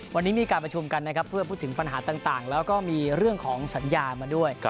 วันนี้มีการประชุมกันนะครับเพื่อพูดถึงปัญหาต่างแล้วก็มีเรื่องของสัญญามาด้วย